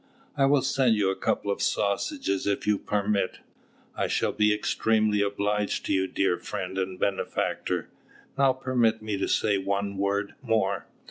"I will send you a couple of sausages if you permit." "I shall be extremely obliged to you, dear friend and benefactor. Now permit me to say one word more.